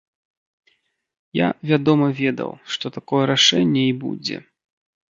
Я, вядома, ведаў, што такое рашэнне і будзе.